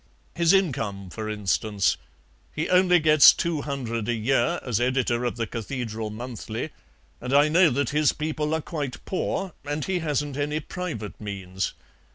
His income, for instance: he only gets two hundred a year as editor of the CATHEDRAL MONTHLY, and I know that his people are quite poor, and he hasn't any private means.